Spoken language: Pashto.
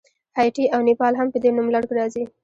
هایټي او نیپال هم په دې نوملړ کې راځي.